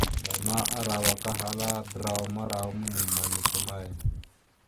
Zlama arawak ahala: draw marawa mamma neke may ?